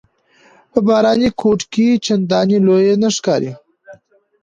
په باراني کوټ کې چنداني لویه نه ښکارېده.